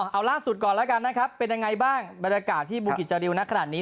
เอาล่าสุดก่อนแล้วกันนะครับเป็นยังไงบ้างบรรยากาศที่บูกิจจาริวนักขนาดนี้